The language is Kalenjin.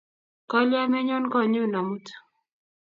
Kolya menyon konyon amut?